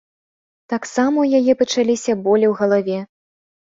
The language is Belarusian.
Таксама ў яе пачаліся болі ў галаве.